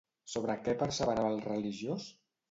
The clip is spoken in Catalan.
Sobre què perseverava el religiós?